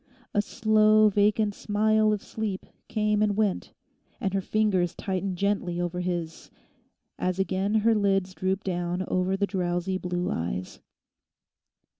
A slow vacant smile of sleep came and went and her fingers tightened gently over his as again her lids drooped down over the drowsy blue eyes.